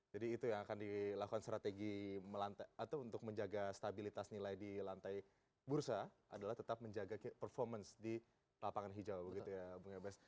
jadi itu yang akan dilakukan strategi untuk menjaga stabilitas nilai di lantai bursa adalah tetap menjaga performance di lapangan hijau